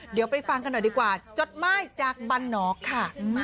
เดี๋ยวไปฟังกันหน่อยดีกว่าจดไม้จากบันนอกค่ะ